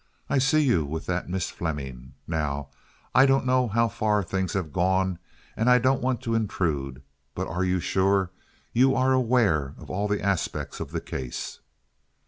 I see you with that Miss Fleming. Now, I don't know how far things have gone, and I don't want to intrude, but are you sure you are aware of all the aspects of the case?"